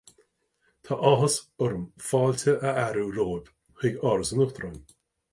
Tá áthas orm fáilte a fhearadh romhaibh chuig Áras an Uachtaráin